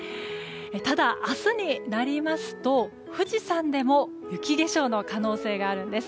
ただ、明日になりますと富士山でも雪化粧の可能性があるんです。